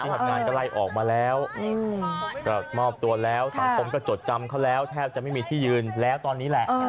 ทำงานก็ไล่ออกมาแล้วก็มอบตัวแล้วสังคมก็จดจำเขาแล้วแทบจะไม่มีที่ยืนแล้วตอนนี้แหละ